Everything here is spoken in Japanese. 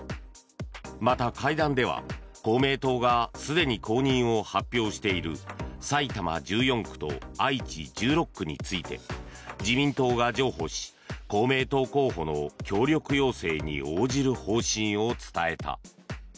また、会談では公明党がすでに公認を発表している埼玉１４区と愛知１６区について自民党が譲歩し公明党候補の協力要請に応じる方針を伝えた。